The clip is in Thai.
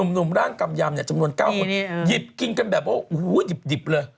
หนุ่มร่างกำยำเนี่ยจำนวน๙คนหยิบกินกันแบบว่าดิบเลย